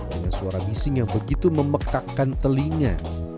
dengan suara bising yang begitu memekakkan telinga